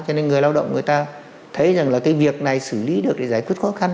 cho nên người lao động người ta thấy rằng là cái việc này xử lý được để giải quyết khó khăn